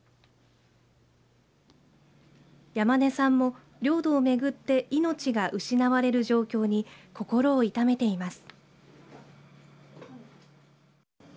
山根さんも領土を巡って命が失われる状況に心を痛めています。